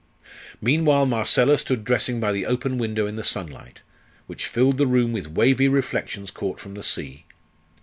Meanwhile Marcella stood dressing by the open window in the sunlight, which filled the room with wavy reflections caught from the sea.